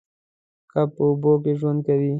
کب په اوبو کې ژوند کوي